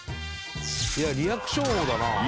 いやリアクション王だな。